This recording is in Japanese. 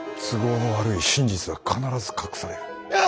都合の悪い真実は必ず隠される。